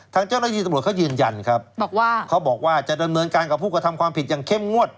ทางเจ้าหน้าที่ตำรวจเขายืนยันครับบอกว่าเขาบอกว่าจะดำเนินการกับผู้กระทำความผิดอย่างเข้มงวด